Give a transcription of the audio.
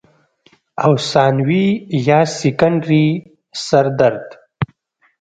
او ثانوي يا سيکنډري سردرد